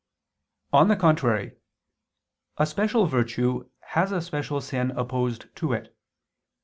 On the contrary, A special virtue has a special sin opposed to it.